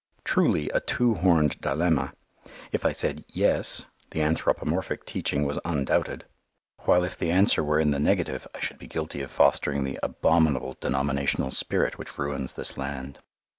Truly a two horned dilemma. If I said "yes" the anthropomorphic teaching was undoubted; while if the answer were in the negative I should be guilty of fostering the abominable denominational spirit which ruins this land.